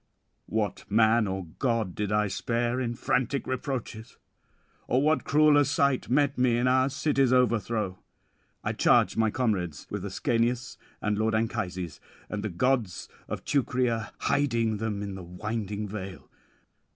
What man or god did I spare in frantic reproaches? or what crueller sight met me in our city's overthrow? I charge my comrades with Ascanius and lord Anchises, and the gods of Teucria, hiding them in the winding vale.